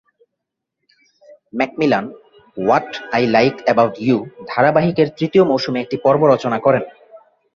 McMillan "what I like about you" ধারাবাহিকের তৃতীয় মৌসুমে একটি পর্ব রচনা করেন।